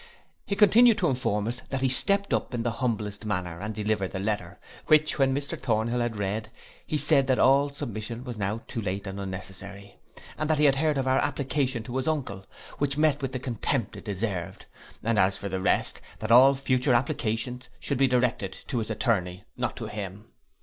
He continued to inform us, that he stept up in the humblest manner, and delivered the letter, which, when Mr Thornhill had read, he said that all submission was now too late and unnecessary; that he had heard of our application to his uncle, which met with the contempt it deserved; and as for the rest, that all future applications should be directed to his attorney, not to him.